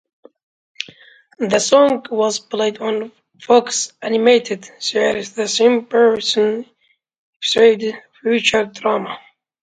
The song was played on Fox animated series "The Simpsons" episode "Future-Drama".